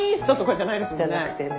じゃなくてね。